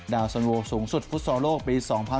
ดาวน์สอนโลกสูงสุดผู้สอนโลกปี๒๐๑๒